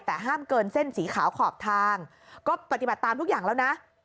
แต่ห้ามเกินเส้นสีขาวขอบทางก็ปฏิบัติตามทุกอย่างแล้วนะ